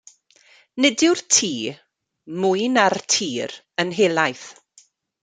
Nid yw'r tŷ, mwy na'r tir, yn helaeth.